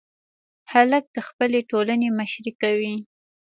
هلک د خپلې ټولنې مشري کوي.